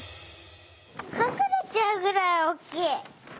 かくれちゃうぐらいおっきい！